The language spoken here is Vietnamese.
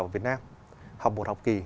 việt nam học một học kỳ